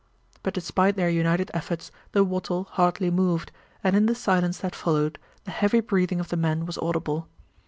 but despite their united efforts the wattle hardly moved, and in the silence that followed the heavy breathing of the men was audible.